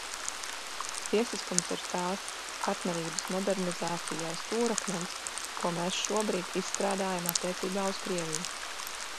"Tiesiskums ir arī tās "Partnerības modernizācijai" stūrakmens, ko mēs šobrīd izstrādājam attiecībā uz Krieviju."